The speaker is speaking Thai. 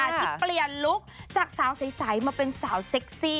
ที่เปลี่ยนลุคจากสาวใสมาเป็นสาวเซ็กซี่